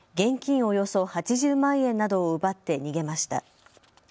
およそ８０万円などを奪って逃げました。